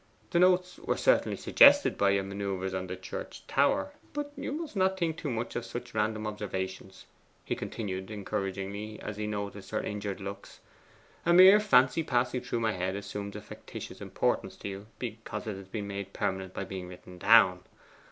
'The notes were certainly suggested by your manoeuvre on the church tower. But you must not think too much of such random observations,' he continued encouragingly, as he noticed her injured looks. 'A mere fancy passing through my head assumes a factitious importance to you, because it has been made permanent by being written down.